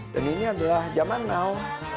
dan ini adalah zaman now